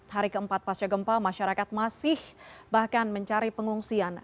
hari keempat pasca gempa masyarakat masih bahkan mencari pengungsian